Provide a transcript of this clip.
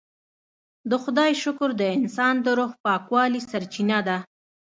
د خدای شکر د انسان د روح پاکوالي سرچینه ده.